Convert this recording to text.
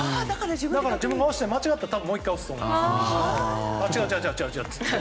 だから自分が押して間違ってたらもう１回押すと思います。